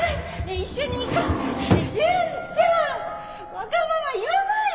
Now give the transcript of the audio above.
わがまま言わないで